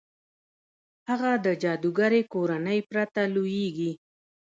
هغه د جادوګرې کورنۍ پرته لوېږي.